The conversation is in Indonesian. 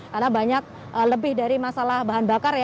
karena banyak lebih dari masalah bahan bakar